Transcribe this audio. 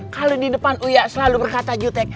kalau di depan uyak selalu berkata jutek